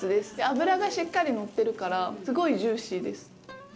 脂がしっかり乗ってるから、すごいジューシーです。